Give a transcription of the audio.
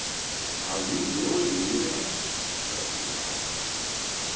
"Are you really leaving us?" Geoffrey asked.